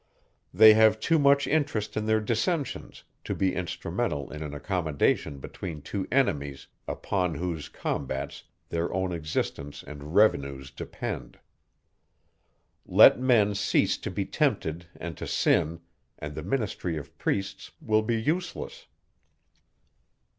They have too much interest in their dissensions, to be instrumental in an accommodation between two enemies, upon whose combats their own existence and revenues depend. Let men cease to be tempted and to sin, and the ministry of priests will be useless.